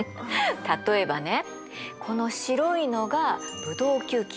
例えばねこの白いのがブドウ球菌。